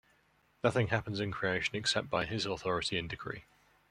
Nothing happens in creation except by His authority and decree.